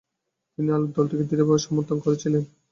তিনি আলীর দলটিকে দৃঢ় ভাবে সমর্থন করেছিলেন।